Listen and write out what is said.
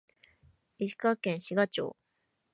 石川県志賀町